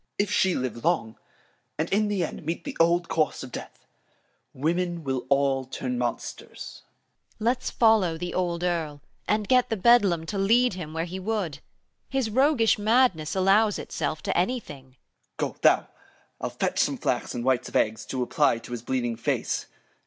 3. Serv. If she live long, And in the end meet the old course of death, Women will all turn monsters. 2. Serv. Let's follow the old Earl, and get the bedlam To lead him where he would. His roguish madness Allows itself to anything. 3. Serv. Go thou. I'll fetch some flax and whites of eggs To apply to his bleeding face.